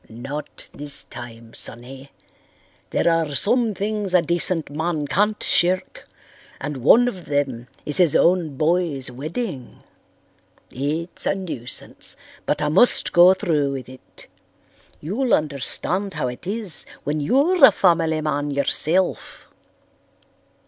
"Not this time, sonny. There are some things a decent man can't shirk and one of them is his own boy's wedding. It's a nuisance, but I must go through with it. You'll understand how it is when you're a family man yourself.